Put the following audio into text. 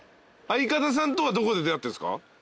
相方さんとはどこで出会ってんっすか？